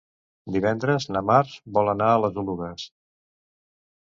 Divendres na Mar vol anar a les Oluges.